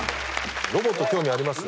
ロボット興味あります？